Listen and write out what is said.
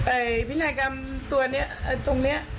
เอ่ยพินัยกรรมตัวเนี้ยตรงเนี้ย